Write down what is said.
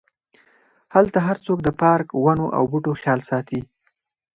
هلته هرڅوک د پارک، ونو او بوټو خیال ساتي.